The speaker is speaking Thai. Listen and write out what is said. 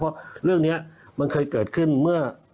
เพราะเรื่องนี้มันเคยเกิดขึ้นเมื่อ